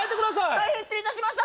大変失礼いたしました